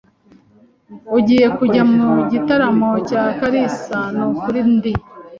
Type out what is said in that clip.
"Ugiye kujya mu gitaramo cya kalisa?" "Nukuri ndi."